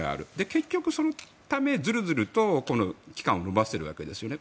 結局そのため、ずるずると期間を延ばしているわけですよね。